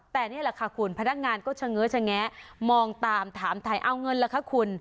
แต่นี่แหละค่ะคุณพนักงานก็เฉง้อชะแงะมองตามถามถ่ายเอาเงินล่ะคะคุณ